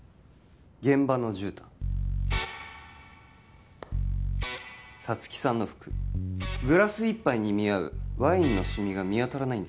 現場のじゅうたん皐月さんの服グラス一杯に見合うワインのシミが見当たりません